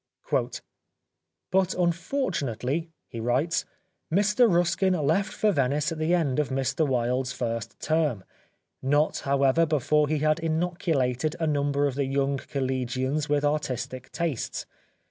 " But unfortunately," he writes, " Mr Ruskin 132 The Life of Oscar Wilde left for Venice at the end of Mr Wilde's first term; not, however, before he had inoculated a number of the young collegians with artistic tastes.